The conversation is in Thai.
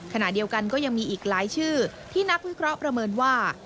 ขณะเดียวกันก็ยังมีอีกหลายชื่อที่นักวิเคราะห์ประเมินว่า